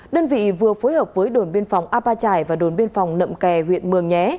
đơn vị vừa phối hợp với đồn biên phòng a ba trải và đồn biên phòng nậm kè huyện mường nhé